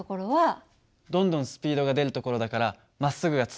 どんどんスピードが出るところだからまっすぐが続いてるところだね。